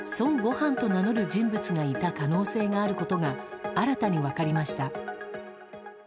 飯と名乗る人物がいた可能性があることが新たに分かりました。